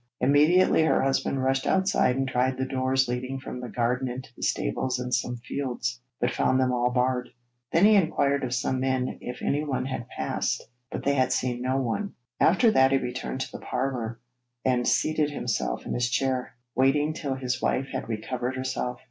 Immediately her husband rushed outside and tried the doors leading from the garden into the stables and some fields, but found them all barred. Then he inquired of some men if anyone had passed, but they had seen no one. After that he returned to the parlour, and seated himself in his chair, waiting till his wife had recovered herself.